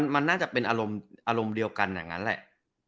มันน่าจะเป็นอารมณ์เดียวกันอย่างนั้นแหละ